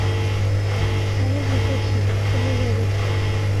আমি জিতেছি, তুমি হেরেছ।